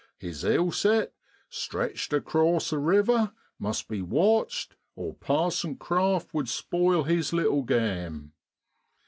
His eel set, stretched across the river, must be watched, or passin' craft would spoil his little game.